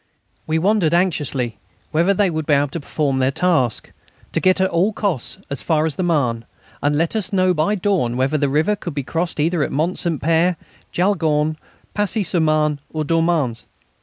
We wondered anxiously whether they would be able to perform their task to get at all costs as far as the Marne, and let us know by dawn whether the river could be crossed either at Mont Saint Père, Jaulgonne, Passy sur Marne, or Dormans.